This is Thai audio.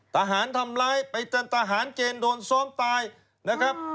ทหารทำร้ายไปตันทหารเกณฑ์โดนซ้อมตายนะครับ